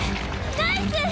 ナイス！